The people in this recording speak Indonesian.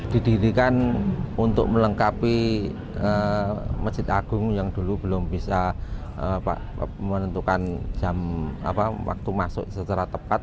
didirikan untuk melengkapi masjid agung yang dulu belum bisa menentukan jam waktu masuk secara tepat